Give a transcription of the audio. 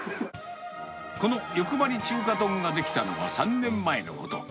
このよくばり中華丼が出来たのは３年前のこと。